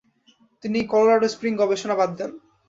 তিনি Colorado Spring গবেষণা বাদ দেন।